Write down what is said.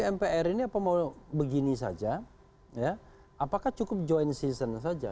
mpr ini apa mau begini saja apakah cukup joint season saja